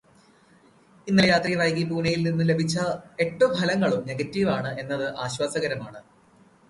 ഇന്നലെ രാത്രി വൈകി പൂനെയില് നിന്ന് ലഭിച്ച എട്ടു ഫലങ്ങളും നെഗറ്റീവ് ആണ് എന്നത് ആശ്വാസകരമാണ്.